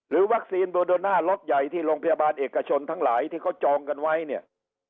วัคซีนโบโดน่าล็อตใหญ่ที่โรงพยาบาลเอกชนทั้งหลายที่เขาจองกันไว้เนี่ย